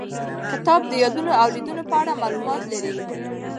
کتاب د یادونو او لیدنو په اړه معلومات لري.